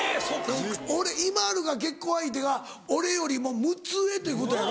俺ＩＭＡＬＵが結婚相手が俺よりも６つ上ということやろ？